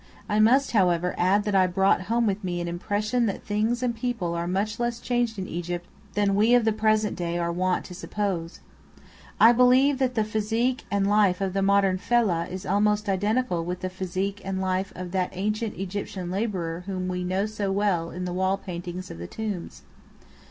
I must, however, add that I brought home with me an impression that things and people are much less changed in Egypt than we of the present day are wont to suppose. I believe that the physique and life of the modern Fellâh is almost identical with the physique and life of that ancient Egyptian labourer whom we know so well in the wall paintings of the tombs.